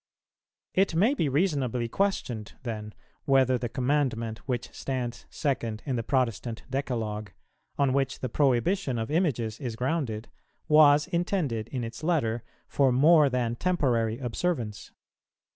It may be reasonably questioned, then, whether the Commandment which stands second in the Protestant Decalogue, on which the prohibition of Images is grounded, was intended in its letter for more than temporary observance.